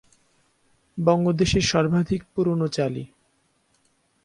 বঙ্গদেশের সর্বাধিক পুরোনো চালি।